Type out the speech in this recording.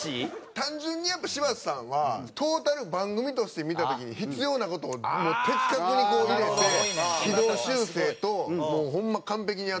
単純にやっぱ柴田さんはトータル番組として見た時に必要な事を的確にこう入れて軌道修正ともうホンマ完璧にやって。